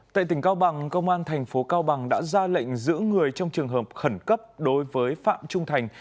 tại tỉnh cao bằng công an thành phố cao bằng đã ra lệnh giữ người trong trường hợp khẩn cấp đối với phạm trung thành